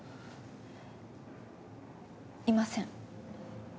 いません。